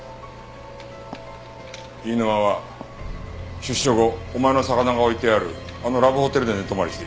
飯沼は出所後お前の魚が置いてあるあのラブホテルで寝泊まりしていた。